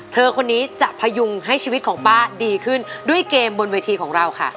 เธอคนนี้จะพยุงให้ชีวิตของป้าดีขึ้นด้วยเกมบนเวทีของเราค่ะ